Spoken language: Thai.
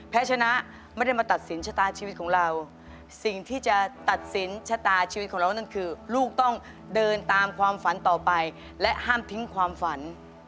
ชนะไม่ได้มาตัดสินชะตาชีวิตของเราสิ่งที่จะตัดสินชะตาชีวิตของเรานั่นคือลูกต้องเดินตามความฝันต่อไปและห้ามทิ้งความฝัน